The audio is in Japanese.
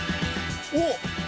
おっ！